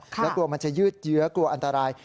แล้วกลัวมันจะยืดเยื้อกลัวอันตราย